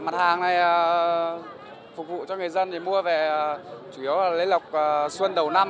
mặt hàng này phục vụ cho người dân để mua về chủ yếu là lễ lọc xuân đầu năm